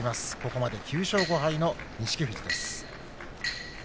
ここまで９勝５敗の錦富士です。